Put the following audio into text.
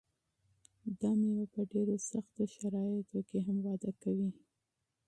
دا مېوه په ډېرو سختو شرایطو کې هم وده کوي.